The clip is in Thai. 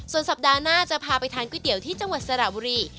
ส่วนสัปดาห์หน้าจะพาไปทานก๋วยเตี๋ยวที่จังหวัดสระบุรี